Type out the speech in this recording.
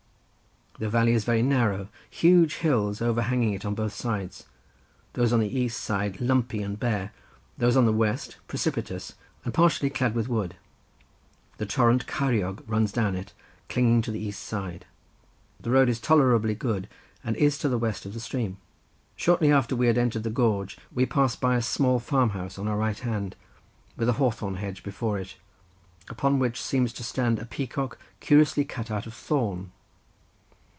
The valley is very narrow, huge hills overhanging it on both sides, those on the east side lumpy and bare, those on the west precipitous, and partially clad with wood; the torrent Ceiriog runs down it, clinging to the east side; the road is tolerably good, and is to the west of the stream. Shortly after we had entered the gorge, we passed by a small farm house on our right hand, with a hawthorn hedge before it, upon which seems to stand a peacock, curiously cut out of thorn.